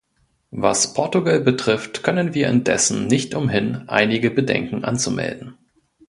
Was Portugal betrifft, können wir indessen nicht umhin, einige Bedenken anzumelden.